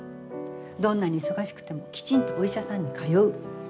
どんなに忙しくてもきちんとお医者さんに通う。